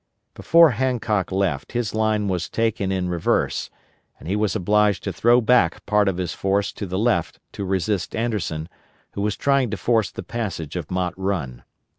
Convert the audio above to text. Before Hancock left, his line was taken in reverse, and he was obliged to throw back part of his force to the left to resist Anderson, who was trying to force the passage of Mott Run.